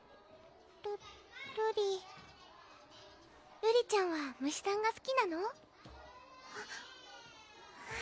ルルリルリちゃんは虫さんがすきなの？